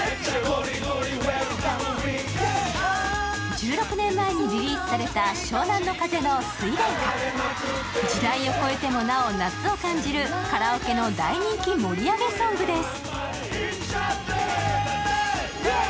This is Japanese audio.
１６年前にリリースされた湘南乃風の「睡蓮花」時代を超えてもなお夏を感じるカラオケの大人気盛り上げソングです